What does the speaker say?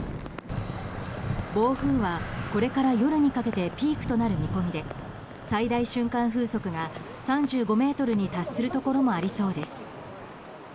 暴風はこれから夜にかけてピークとなる見込みで最大瞬間風速が３５メートルに達するところもありそうです。